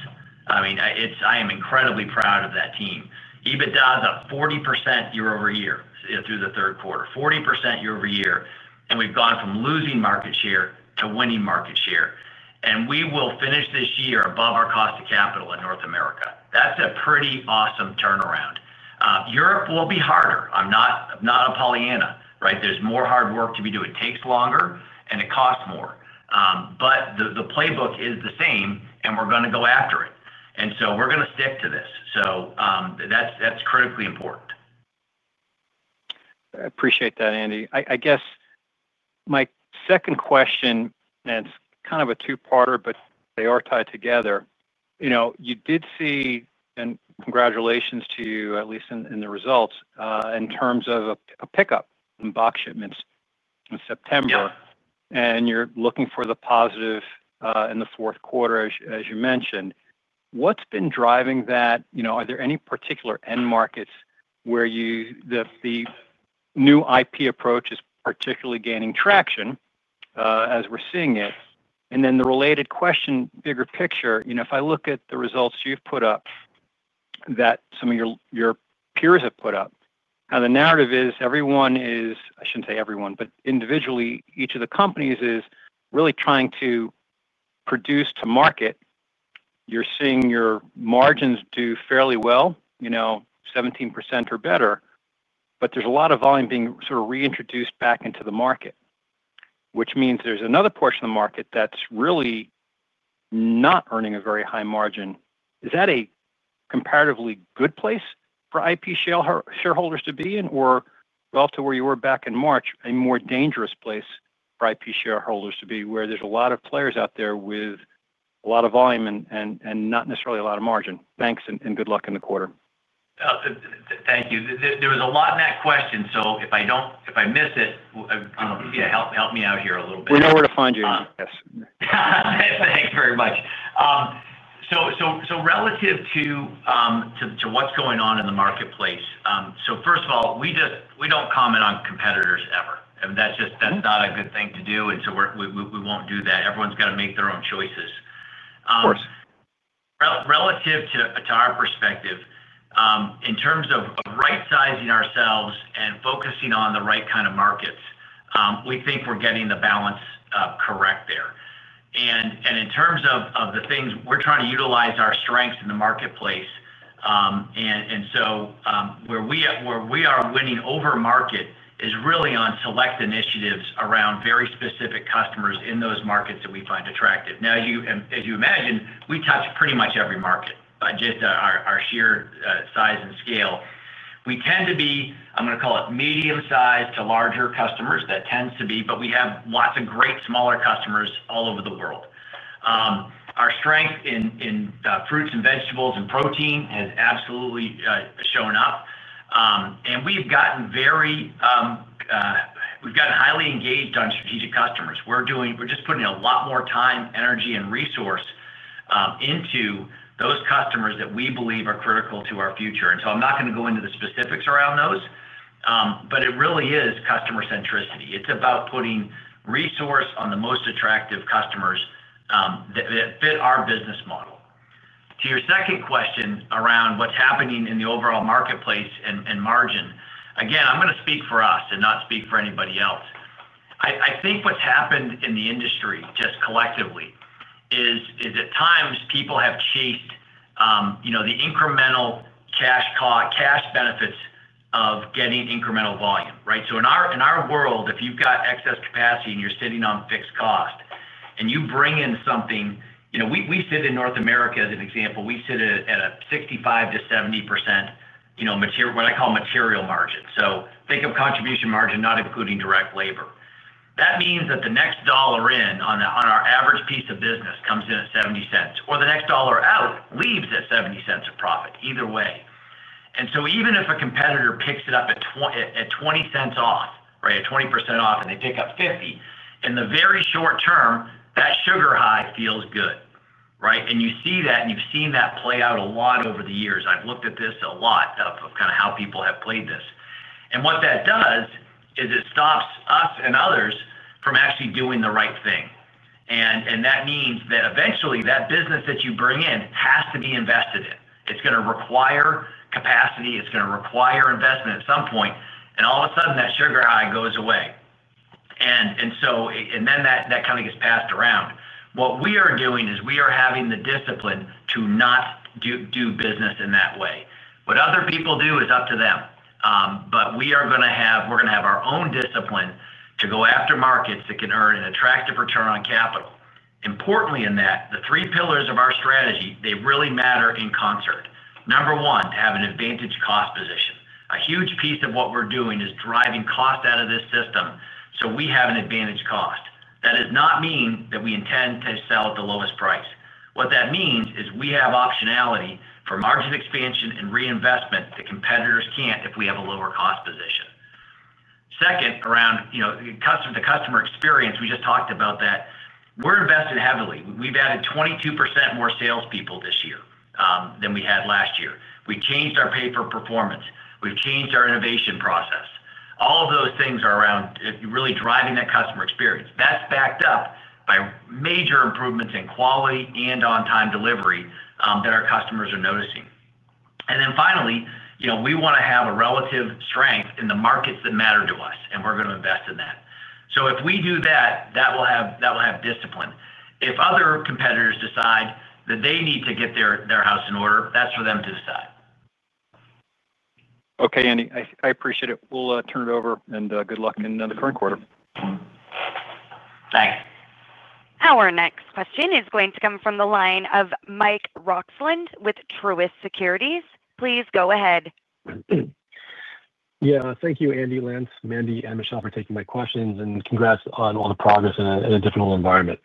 I mean, I am incredibly proud of that. Team EBITDA is up 40% year-over-year through the third quarter, 40% year-over-year. We've gone from losing market share to winning market share, and we will finish this year above our cost of capital in North America. That's a pretty awesome turnaround. Europe will be harder. I'm not a Pollyanna. Right. There's more hard work to be doing. It takes longer and it costs more, but the playbook is the same. We're going to go after it and we're going to stick to this. That's critically important. I appreciate that Andy. I guess my second question, and it's kind of a two-parter, but they are tied together. You did see, and congratulations to you at least in the results, in terms of a pickup in box shipments in September. You're looking for the positive in the fourth quarter, as you mentioned. What's been driving that? Are there any particular end markets where the new IP approach is particularly gaining traction as we're seeing it? The related question, bigger picture, if I look at the results you've put up and that some of your peers have put up now, the narrative is everyone is, I shouldn't say everyone, but individually, each of the companies is really trying to produce to market. You're seeing your margins do fairly well, you know, 17% or better. There's a lot of volume being sort of reintroduced back into the market, which means there's another portion of the market that's really not earning a very high margin. Is that a comparatively good place for IP shareholders to be in, or relative to where you were back in March, a more dangerous place for IP shareholders to be, where there's a lot of players out there with a lot of volume and not necessarily a lot of margin? Thanks and good luck in the quarter. Thank you. There was a lot in that question. If I miss it, help me out here a little bit. We know where to find you. Yes, thank you very much. Relative to what's going on in the marketplace, first of all, we don't comment on competitors ever. That's just not a good thing to do, so we won't do that. Everyone's got to make their own choices. Relative to our perspective in terms of right sizing ourselves and focusing on the right kind of markets, we think we're getting the balance correct there. In terms of the things we're trying to utilize, our strengths in the marketplace, where we are winning over market is really on select initiatives around very specific customers in those markets that we find attractive. As you imagine, we touch pretty much every market by just our sheer size and scale. We tend to be, I'm going to call it, medium sized to larger customers. That tends to be, but we have lots of great smaller customers all over the world. Our strength in fruits and vegetables and protein has absolutely shown up. We've gotten highly engaged on strategic customers. We're just putting a lot more time, energy, and resource into those customers that we believe are critical to our future. I'm not going to go into the specifics around those, but it really is customer centricity. It's about putting resource on the most attractive customers that fit our business model. To your second question around what's happening in the overall marketplace and margin, again, I'm going to speak for us and not speak for anybody else. I think what's happened in the industry collectively is at times people have chased the incremental cash benefits of getting incremental volume, right? In our world, if you've got excess capacity and you're sitting on fixed cost and you bring in something, we sit in North America as an example, we sit at a 65%-70%, what I call material margin. Think of contribution margin not including direct labor. That means that the next dollar in on our average piece of business comes in at $0.70 or the next dollar out leaves at $0.70 of profit either way. Even if a competitor picks it up at 20%, at 20% off, and they pick up 50% in the very short term, that sugar high feels good, right? You see that and you've seen that play out a lot over the years. I've looked at this a lot, kind of how people have played this. What that does is it stops us and others from actually doing the right thing. That means that eventually that business that you bring in has to be invested in. It's going to require capacity, it's going to require investment at some point, and all of a sudden that sugar high goes away and then that kind of gets passed around. What we are doing is we are having the discipline to not do business in that way. What other people do is up to them. We are going to have our own discipline to go after markets that can earn an attractive return on capital. Importantly, in that, the three pillars of our strategy really matter in concert. Number one, to have an advantaged cost position, a huge piece of what we're doing is driving cost out of this system. We have an advantaged cost. That does not mean that we intend to sell at the lowest price. What that means is we have optionality for margin expansion and reinvestment that competitors can't. If we have a lower cost position, second, around customer-to-customer experience, we just talked about that. We're invested heavily. We've added 22% more salespeople this year than we had last year. We changed our pay for performance, we've changed our innovation process. All of those things are around really driving that customer experience. That's backed up by major improvements in quality and on-time delivery that our customers are noticing. Finally, we want to have a relative strength in the markets that matter to us, and we're going to invest in that. If we do that, we will have discipline. If other competitors decide that they need to get their house in order, that's for them to decide. Okay, Andy, I appreciate it. We'll turn it over. Good luck in the current quarter. Thanks. Our next question is going to come from the line of Mike Roxland with Truist Securities. Please go ahead. Yeah. Thank you, Andy, Lance, Mandi and Michele for taking my questions. Congrats on all the progress in a difficult environment.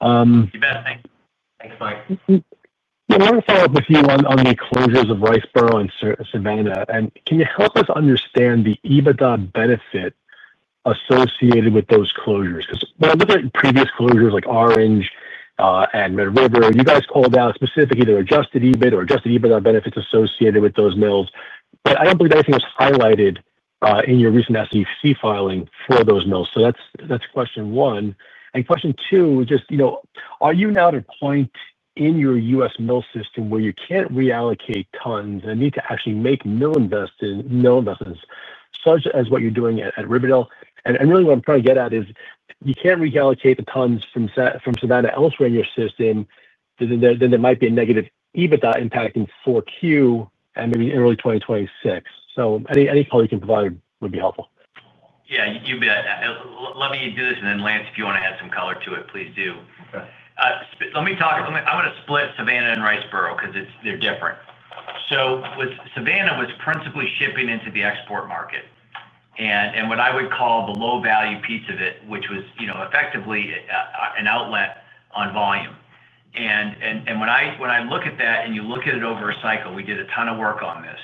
Thanks Mike. I want to follow up with you. You on the closures of Riceboro and Savannah. Can you help us understand the EBITDA benefit associated with those closures? When I look at previous closures like Orange and Red River, you guys called out specifically the adjusted EBIT or adjusted EBITDA benefits associated with those mills. I don't believe anything was highlighted in your recent SEC filing for those mills. That's question one. Question two, are you now at a point in your U.S. Mill system where you can't reallocate tons and need to actually make mill investments, such as what you're doing at Riverdale? What I'm trying to get at is if you can't reallocate the tons from Savannah elsewhere in your system, then there might be a negative EBITDA impact in 4Q and maybe early 2026. Any color you can provide would be helpful. Yeah, you bet. Let me do this, and then, Lance, if you want to add some color to it, please do. Let me talk. I'm going to split Savannah and Riceboro because they're different. Savannah was primarily, principally shipping into the export market and what I would call the low value piece of it, which was effectively an outlet on volume. When I look at that and you look at it over a cycle, we did a ton of work on this.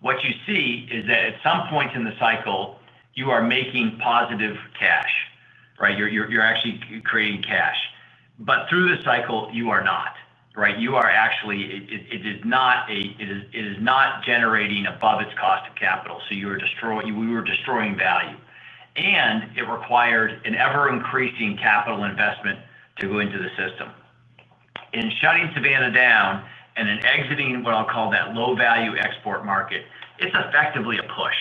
What you see is that at some point in the cycle, you are making positive cash. You're actually creating cash, but through the cycle, you are not. Right. It is not generating above its cost of capital. You are destroying value. It required an ever-increasing capital investment to go into the system. In shutting Savannah down and in exiting what I'll call that low value export market, it's effectively a push,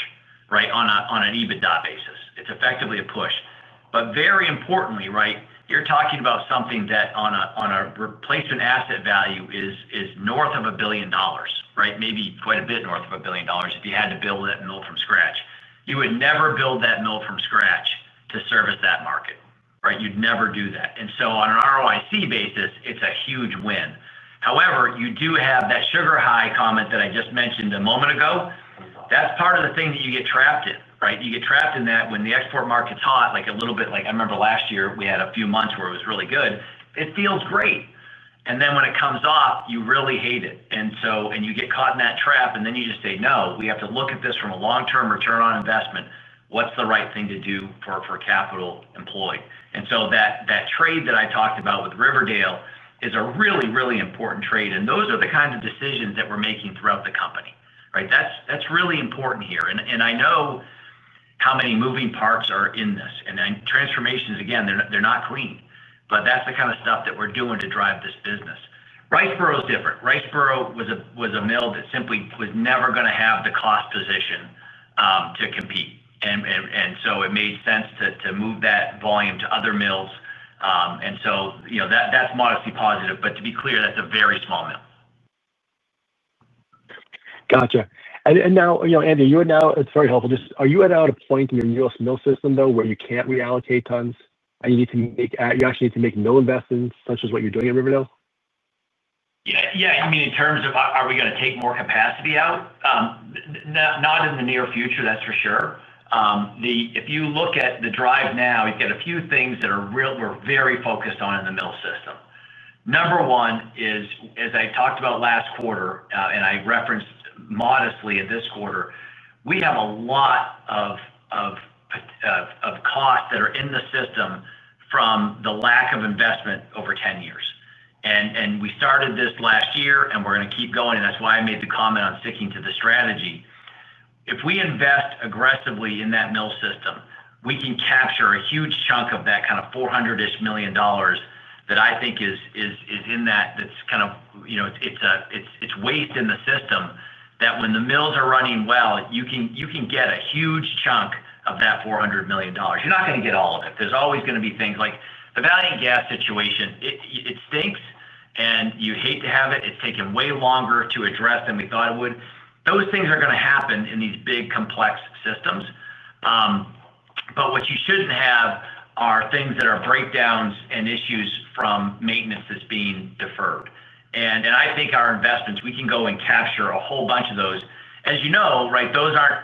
right? On an EBITDA basis, it's effectively a push. Very importantly, you're talking about something that on a replacement asset value is north of $1 billion. Right. Maybe quite a bit north of $1 billion. If you had to build that mill from scratch, you would never build that mill from scratch to service that market. You'd never do that. On an ROIC basis, it's a huge win. However, you do have that sugar high comment that I just mentioned a moment ago. That's part of the thing that you get trapped in. Right. You get trapped in that when the export market's hot, like a little bit. I remember last year we had a few months where it was really good, it feels great. When it comes off, you really hate it. You get caught in that trap and you just say, no, we have to look at this from a long-term return on investment. What's the right thing to do for capital employed? That trade that I talked about with Red River is a really, really important trade. Those are the kinds of decisions that we're making throughout the company. Right. That's really important here. I know how many moving parts are in this, and then transformations, again, they're not clean, but that's the kind of stuff that we're doing to drive this business. Riceboro is different. Riceboro was a mill that simply was never going to have the cost position to compete, so it made sense to move that volume to other mills. That's modestly positive, but to be clear, that's a very small mill. Gotcha. You know, Andy, you are now, it's very helpful. Are you at a point in your U.S. Mill system though where you can't reallocate tons and you need to make, you actually need to make mill investments such as what you're doing in Red River? Yeah, I mean in terms of are we going to take more capacity out? Not in the near future, that's for sure. If you look at the drive now, you've got a few things that are real. We're very focused on in the mill system. Number one is, as I talked about last quarter and I referenced modestly in this quarter, we have a lot of costs that are in the system from the lack of investment over 10 years. We started this last year and we're going to keep going. That's why I made the comment on sticking to the strategy. If we invest aggressively in that mill system, we can capture a huge chunk of that kind of $400 million that I think is in that, it's waste in the system that when the mills are running well, you can get a huge chunk of that $400 million. You're not going to get all of it. There's always going to be things like the valley and gas situation. It stinks and you hate to have it. It's taken way longer to address than we thought it would. Those things are going to happen in these big complex systems. What you shouldn't have are things that are breakdowns and issues from maintenance that's being deferred. I think our investments, we can go and capture a whole bunch of those, as you know.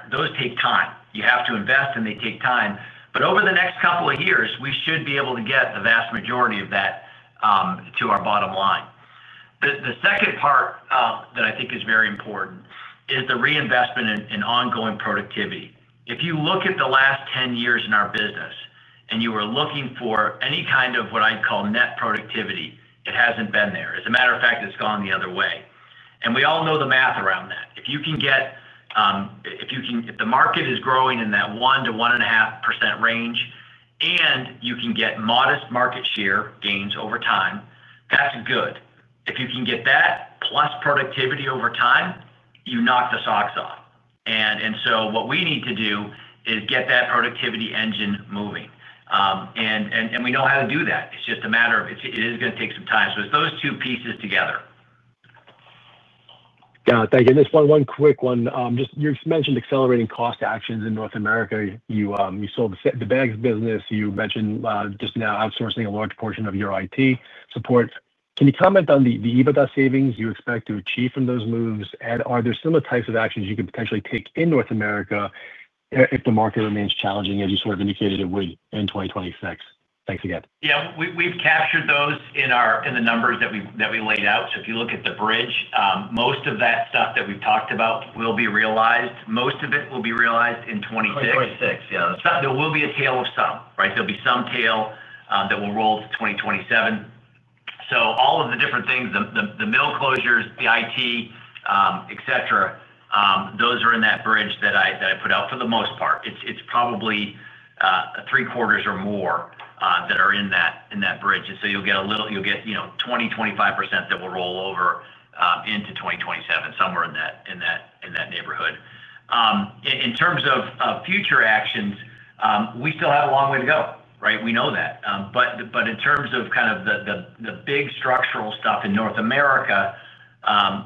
Those take time. You have to invest and they take time. Over the next couple of years we should be able to get the vast majority of that to our bottom line. The second part that I think is very important is the reinvestment in ongoing productivity. If you look at the last 10 years in our business and you are looking for any kind of what I call net productivity, it hasn't been there. As a matter of fact, it's gone the other way. We all know the math around that. If you can get, if the market is growing in that 1%-1.5% range and you can get modest market share gains over time, that's good. If you can get that plus productivity over time, you knock the socks off. What we need to do is get that productivity engine moving. We know how to do that. It's just a matter of it is going to take some time. It's those two pieces together. Thank you. Just one quick one. You mentioned accelerating cost actions in North America. You sold the bags business, you mentioned just now outsourcing a large portion of your IT support. Can you comment on the EBITDA savings you expect to achieve from those moves? Are there similar types of actions you could potentially take in North America if the market remains challenging, as you sort of indicated it would in 2026? Thanks again. Yeah, we've captured those in our numbers that we laid out. If you look at the bridge, most of that stuff that we've talked about will be realized. Most of it will be realized in 2026. There will be some tail that will roll to 2027. All of the different things, the mill closures, the IT, et cetera, those are in that bridge that I put out. For the most part, it's probably three quarters or more that are in that bridge. You'll get a little, you'll get 20%-25% that will roll over into 2027, somewhere in that neighborhood. In terms of future actions, we still have a long way to go. We know that. In terms of the big structural stuff in North America,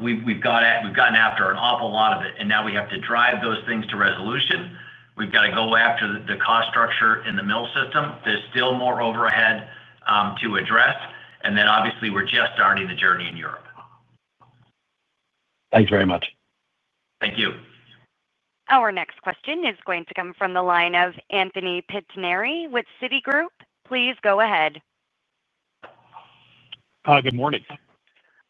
we've gotten after an awful lot of it and now we have to drive those things to resolution. We've got to go after the cost structure in the mill system. There's still more overhead to address. Obviously, we're just starting the journey in Europe. Thanks very much. Thank you. Our next question is going to come from the line of Anthony Pettinari with Citigroup. Please go ahead. Good morning. Morning.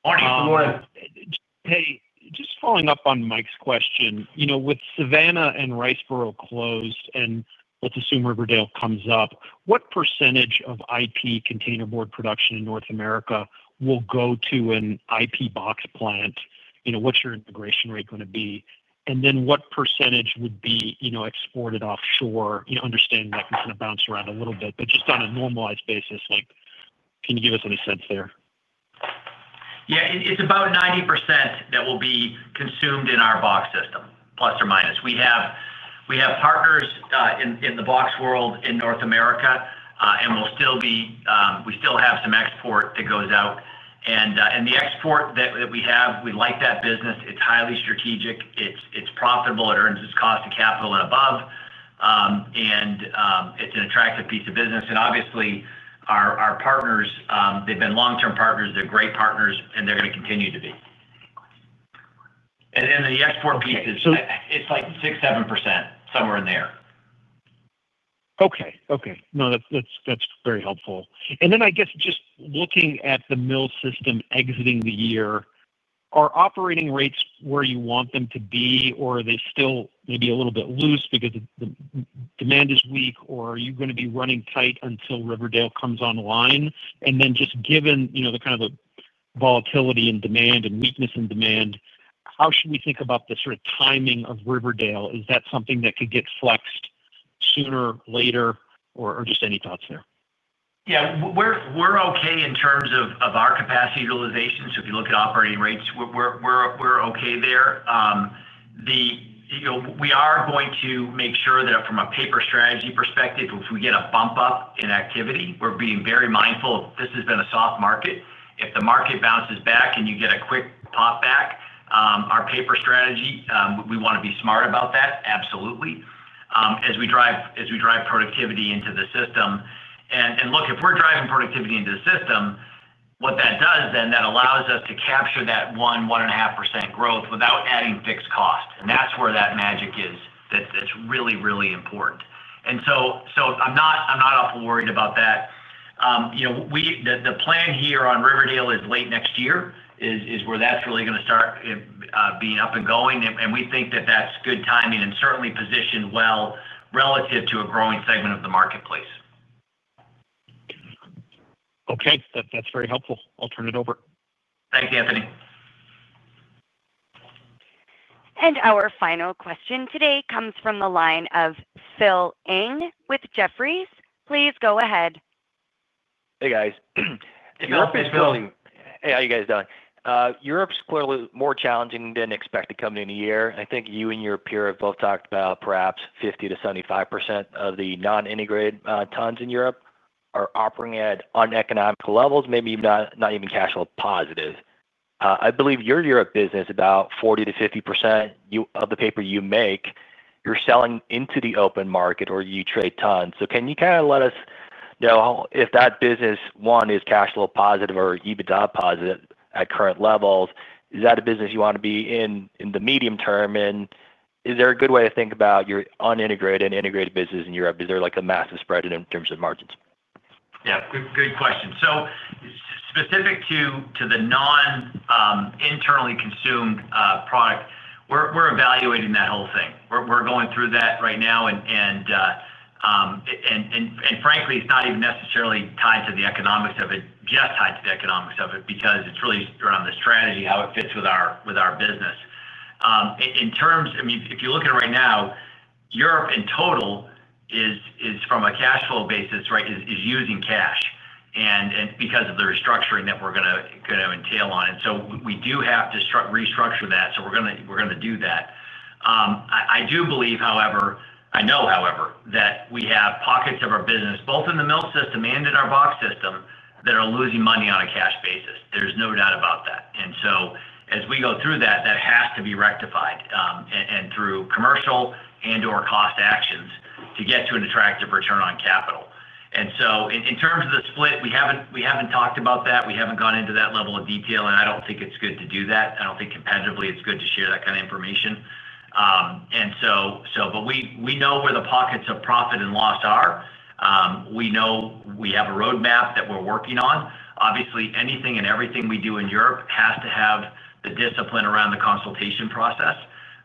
Hey, just following up on Mike's question. With Savannah and Riceboro closed and let's assume Red River comes up, what percentage of IP containerboard production in North America will go to an IP box plant? What's your integration rate going to be? What percentage would be exported offshore? Understanding that can kind of bounce around a little bit, but just on a normalized basis, can you give us any sense there? Yeah, it's about 90% that will be consumed in our box system, plus or minus. We have partners in the box world in North America and we'll still be, we still have some export that goes out. The export that we have, we like that business. It's highly strategic, it's profitable, it earns its cost of capital and above. It's an attractive piece of business. Obviously our partners, they've been long term partners, they're great partners and they're going to continue to be. The export piece is like 6%, 7% somewhere in there. Okay, that's very helpful. I guess just looking at the mill system exiting the year, are operating rates where you want them to be or are they still maybe a little bit loose because the demand is weak? Are you going to be running tight until Riverdale comes online? Just given the kind of volatility in demand and weakness in demand, how should we think about the sort of timing of Riverdale? Is that something that could get flexed sooner, later, or just any thoughts there? Yeah, we're okay in terms of our capacity utilization. If you look at operating rates, we're okay there. We are going to make sure that from a paper strategy perspective, if we get a bump up in activity, we're being very mindful this has been a soft market. If the market bounces back and you get a quick pop back, our paper strategy, we want to be smart about that. Absolutely, as we drive productivity into the system. If we're driving productivity into the system, what that does, then that allows us to capture that 1.5% growth without adding fixed cost. That's where that magic is. That's really, really important. I'm not awful worried about that. The plan here on Riverdale is late next year is where that's really going to start being up and going. We think that that's good timing and certainly positioned well relative to a growing segment of the marketplace. Okay, that's very helpful. I'll turn it over. Thanks, Anthony. Our final question today comes from the line of Phil Ng with Jefferies. Please go ahead. Hey guys, Europe is really, how you guys doing? Europe's clearly more challenging than expected coming in a year. I think you and your peer have both talked about perhaps 50%-75% of the non-integrated tons in Europe are operating at uneconomic levels, maybe not even cash flow positive. I believe your Europe business, about 40%-50% of the paper you make, you're selling into the open market or you trade tons. Can you kind of let us know if that business, one, is cash flow positive or EBITDA positive at current levels, is that a business you want to be in the medium term? Is there a good way to think about your unintegrated integrated business in Europe? Is there a massive spread in terms of margins? Yeah, good question. Specific to the non internally consumed product, we're evaluating that whole thing. We're going through that right now. Frankly, it's not even necessarily tied to the economics of it, just tied to the economics of it because it's really around the strategy, how it fits with our business in terms, I mean, if you look at it right now, Europe in total is from a cash flow basis is using cash. Because of the restructuring that we're going to entail on. We do have to restructure that. We're going to do that. I do believe, however, I know, however, that we have pockets of our business, both in the mill system and in our box system, that are losing money on a cash basis. There's no doubt about that. As we go through that, that has to be rectified and through commercial and or cost actions to get to an attractive return on capital. In terms of the split, we haven't talked about that. We haven't gone into that level and I don't think it's good to do that. I don't think competitively it's good to share that kind of information. We know where the pockets of profit and loss are. We know we have a roadmap that we're working on. Obviously, anything and everything we do in Europe has to have the discipline around the consultation process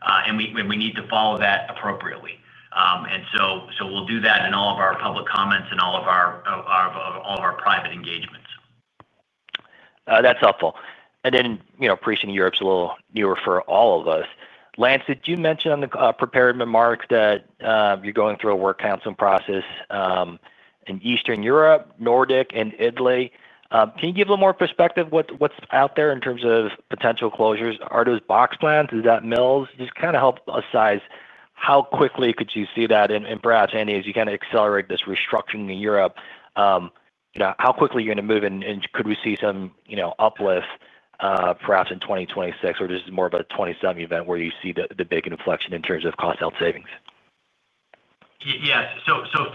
and we need to follow that appropriately. We'll do that in all of our public comments and all of our private engagements. That's helpful. You know, precinct in EMEA a little newer for all of us. Lance, did you mention on the prepared remarks that you're going through a work counseling process in Eastern Europe, Nordic, and Italy? Can you give a little more perspective? What's out there in terms of potential closures? Are those box plants? Is that mills? Just kind of help us size. How quickly could you see that, and perhaps as you kind of accelerate this restructuring in Europe, how quickly are you going to move, and could we see some uplift perhaps in 2026, or just more of a 20-something event where you see the big inflection in terms of cost-out savings? Yes.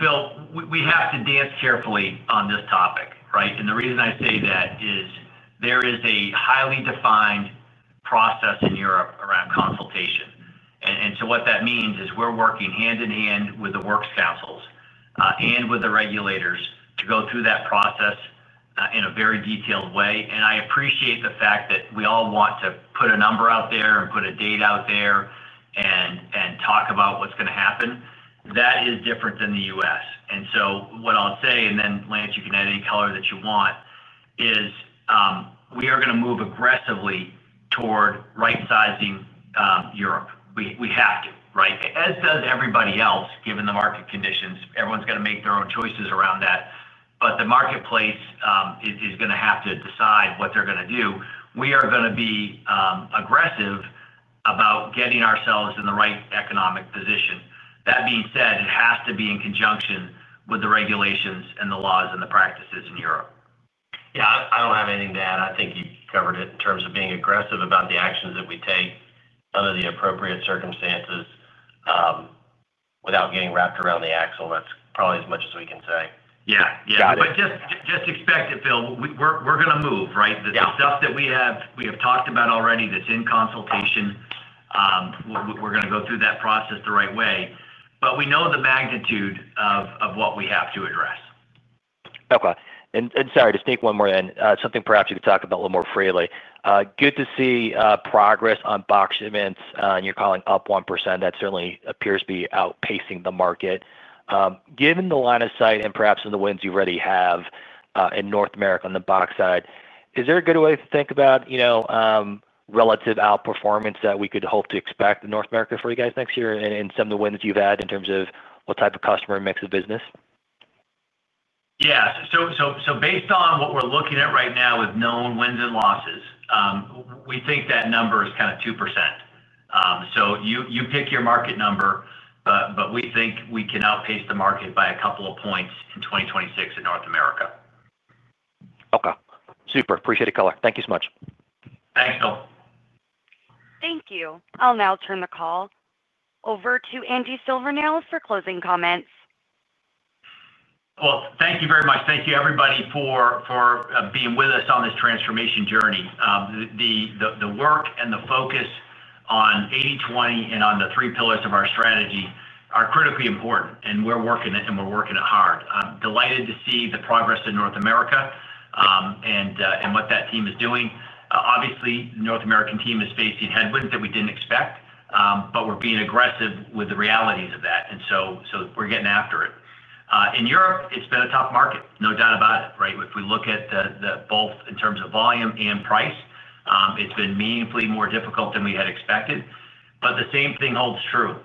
Phil, we have to dance carefully on this topic. The reason I say that is there is a highly defined process in Europe around consultation. What that means is we're working hand in hand with the works councils and with the regulators to go through that process in a very detailed way. I appreciate the fact that we all want to put a number out there and put a date out there and talk about what's going to happen. That is different than the U.S., and what I'll say, and then Lance, you can add any color that you want, is we are going to move aggressively toward. Right. Sizing Europe. We have to, right, as does everybody else, given the market conditions. Everyone's got to make their own choices around that. The marketplace is going to have to decide what they're going to do. We are going to be aggressive about getting ourselves in the right economic position. That being said, it has to be in conjunction with the regulations and the laws and the practices in Europe. I don't have anything to add. I think you covered it in terms of being aggressive about the actions that we take under the appropriate circumstances without getting wrapped around the axle. That's probably as much as we can say. Yeah, just expect it, Phil. We're going to move right. The stuff that we have talked about already that's in consultation, we're going to go through that process the right way, but we know the magnitude of what we have to address. Okay. Sorry to sneak one more, then something perhaps you could talk about a little more freely. Good to see progress on box events and you're calling up 1%. That certainly appears to be outpacing the market. Given the line of sight and perhaps in the wins you already have in North America, on the box side, is there a good way to think about relative outperformance that we could hope to expect in North America for you guys next year and some of the wins you've had in terms of what type of customer mix of business? Yes. Based on what we're looking at right now with known wins and losses, we think that number is kind of 2%. You pick your market number, but we think we can outpace the market by a couple of points in 2026 in North America. Okay, super appreciated color. Thank you so much. Thanks, Phil. Thank you. I'll now turn the call over to Andy Silvernail for closing comments. Thank you very much. Thank you, everybody, for being with us on this transformation journey. The work and the focus on 80/20 and on the three pillars of our strategy are critically important, and we're working it and we're working it hard. Delighted to see the progress in North America and what that team is doing. Obviously, the North America team is facing headwinds that we didn't expect, but we're being aggressive with the realities of that, and we're getting after it in EMEA. It's been a tough market, no doubt about it. If we look at both in terms of volume and price, it's been meaningfully more difficult than we had expected. The same thing holds true.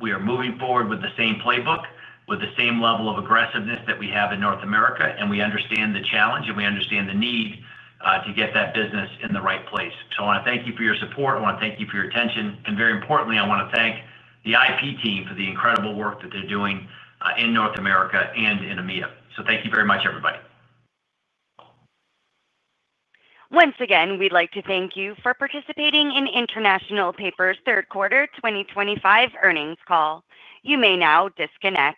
We are moving forward with the same playbook, with the same level of aggressiveness that we have in North America. We understand the challenge, and we understand the need to get that business in the right place. I want to thank you for your support. I want to thank you for your attention. Very importantly, I want to thank the IP team for the incredible work that they're doing in North America and in EMEA. Thank you very much, everybody. Once again, we'd like to thank you for participating in International Paper's third quarter 2025 earnings call. You may now disconnect.